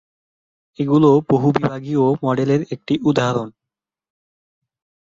এগুলি বহু-বিভাগীয় মডেলের একটি উদাহরণ।